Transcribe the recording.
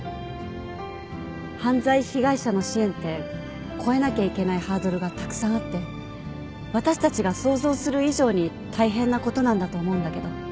犯罪被害者の支援って越えなきゃいけないハードルがたくさんあって私たちが想像する以上に大変なことなんだと思うんだけど。